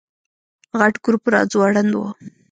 غټ ګروپ راځوړند و.